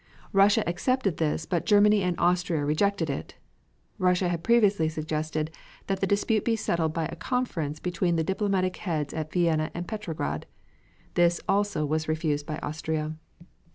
Russia accepted this but Germany and Austria rejected it. Russia had previously suggested that the dispute be settled by a conference between the diplomatic heads at Vienna and Petrograd. This also was refused by Austria.